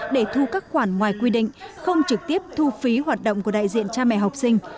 để thu các khoản ngoài quy định không trực tiếp thu phí hoạt động của đại diện cha mẹ học sinh